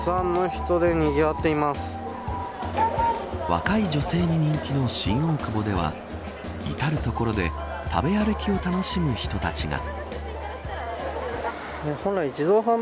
若い女性に人気の新大久保では至る所で食べ歩きを楽しむ人たちが。